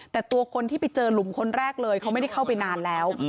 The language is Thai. แต่ตัวคนที่ไปเจอหลุมคนแรกเลยเขาไม่ได้เข้าไปนานแล้ว